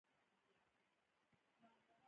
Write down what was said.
د غور په اړه لا نورې ډېرې څیړنې هم پکار دي